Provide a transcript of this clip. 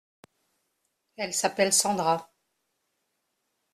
Elle s’appelle Sandra.